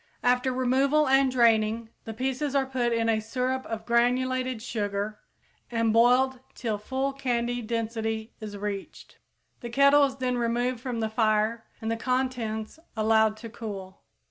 After removal and draining the pieces are put in a syrup of granulated sugar and boiled till full candy density is reached. The kettle is then removed from the fire and the contents allowed to cool.